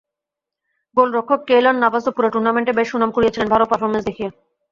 গোলরক্ষক কেইলর নাভাসও পুরো টুর্নামেন্টে বেশ সুনাম কুড়িয়েছিলেন ভালো পারফরম্যান্স দেখিয়ে।